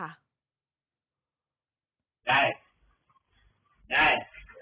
ยายยาย